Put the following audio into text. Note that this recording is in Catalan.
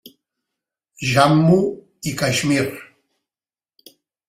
Jammu i Caixmir.